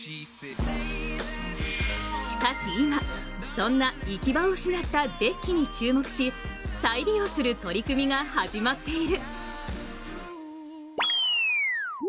しかし今、そんな行き場を失ったデッキに注目し、再利用する取り組みが始まっている。